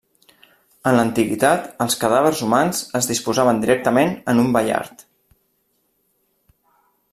En l'antiguitat els cadàvers humans es disposaven directament en un baiard.